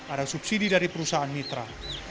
ada subsidi dari perusahaan mitra